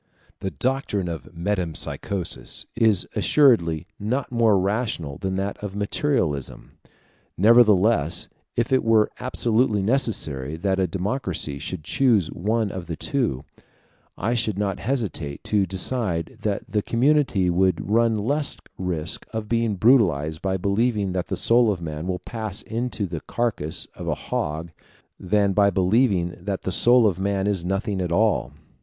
The doctrine of metempsychosis is assuredly not more rational than that of materialism; nevertheless if it were absolutely necessary that a democracy should choose one of the two, I should not hesitate to decide that the community would run less risk of being brutalized by believing that the soul of man will pass into the carcass of a hog, than by believing that the soul of man is nothing at all.